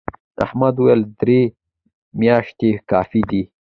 احمد وويل: درې میاشتې کافي دي.